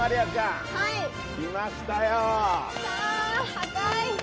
赤い！